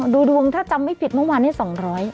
อ๋อดูดวงถ้าจำไม่ผิดเมื่อวานให้สองร้อย